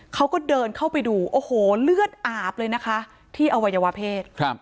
เขาก็เดินเข้าไปดูโอ้โหเลือดอาบเลยนะคะที่อวัยวะเพศ